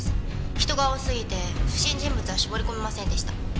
人が多すぎて不審人物は絞り込めませんでした。